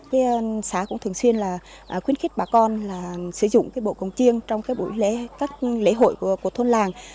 cái xá cũng thường xuyên là khuyến khích bà con sử dụng cái bộ cổng chiêng trong cái buổi lễ hội của thôn làng